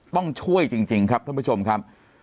ต้องช่วยจริงครับท่านผู้ชมครับ